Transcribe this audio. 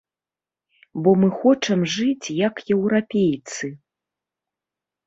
Бо мы хочам жыць як еўрапейцы.